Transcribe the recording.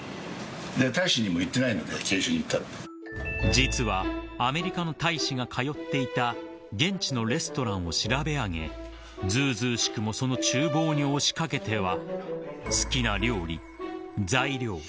［実はアメリカの大使が通っていた現地のレストランを調べ上げずうずうしくもその厨房に押し掛けては］